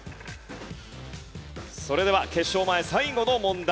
それでは決勝前最後の問題。